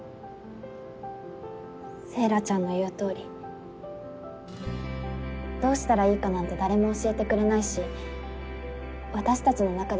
聖衣良ちゃんの言うとおりどうしたらいいかなんて誰も教えてくれないし私たちの中でしか正解は出せないと思う。